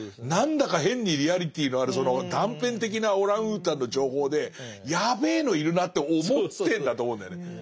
何だか変にリアリティーのあるその断片的なオランウータンの情報でやべえのいるなって思ってんだと思うんだよね。